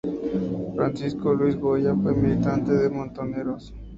Francisco Luis Goya fue militante de Montoneros.